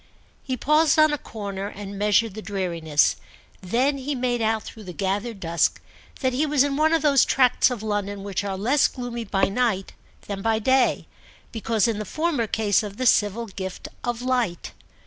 He paused on a corner and measured the dreariness; then he made out through the gathered dusk that he was in one of those tracts of London which are less gloomy by night than by day, because, in the former case of the civil gift of light.